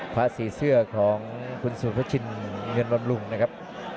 พระศรีเสื้อของคุณสุภชินเงินลมลุงนะครับ